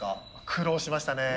苦労しましたね。